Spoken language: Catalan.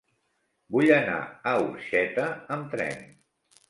Vull anar a Orxeta amb tren.